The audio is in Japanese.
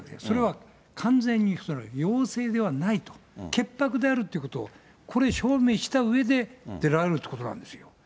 それは完全に陽性ではないと、潔白であるってことを、これ、証明したうえで出られるということなんですよ。